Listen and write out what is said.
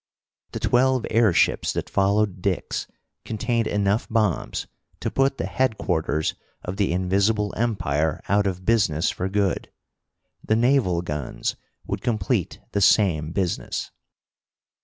The twelve airships that followed Dick's contained enough bombs to put the headquarters of the Invisible Empire out of business for good. The naval guns would complete the same business.